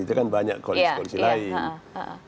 itu kan banyak koalisi koalisi lain